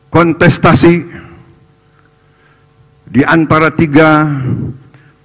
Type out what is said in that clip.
kontestasi diantara tiga pasangan calon telah berakhir